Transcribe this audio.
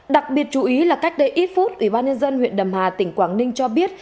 đặc biệt chú ý là cách đây ít phút ủy ban nhân dân huyện đầm hà tỉnh quảng ninh cho biết